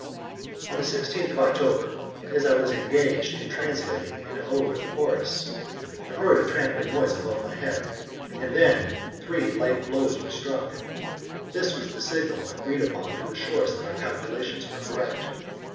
On the 16th of October, as I was engaged in translating an ode of Horace, I heard a trampling noise above my head, and then three light blows were struck. This was the signal agreed upon to assure us that our calculations were correct.